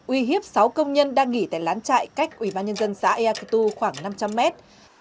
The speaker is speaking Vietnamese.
uy hiếp sáu công nhân đang nghỉ tại lán trại cách ubnd xã eak tu khoảng năm trăm linh mét